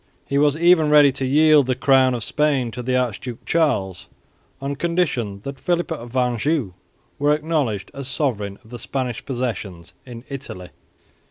He was even ready to yield the crown of Spain to the Archduke Charles on condition that Philip of Anjou were acknowledged as sovereign of the Spanish possessions in Italy.